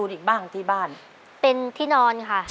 ขอเชิญแสงเดือนมาต่อชีวิตเป็นคนต่อชีวิตเป็นคนต่อชีวิต